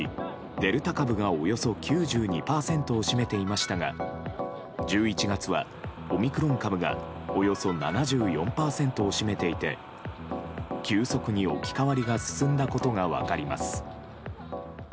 デルタ株がおよそ９２％を占めていましたが１１月はオミクロン株がおよそ７４％を占めていて急速に置き換わりが進んだことが分かります。